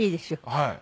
はい。